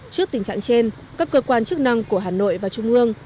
trước tình trạng trên các cơ quan chức năng của hà nội và trung ương